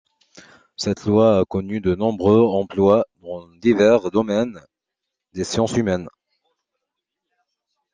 Cette loi a connu de nombreux emplois dans divers domaines des sciences humaines.